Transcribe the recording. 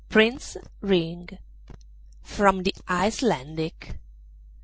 PRINCE RING (30) (30) From the Icelandic.